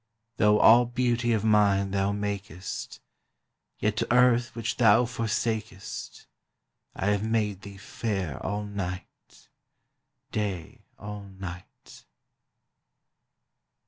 Though all beauty of nine thou makest, Yet to earth which thou forsakest I have made thee fair all night, Day all night.